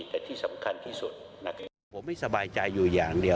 ผมไม่สบายใจอยู่อย่างนี้